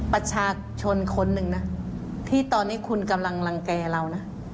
ประชาชนคนหนึ่งนะที่ตอนนี้คุณกำลังรังแก่เรานะ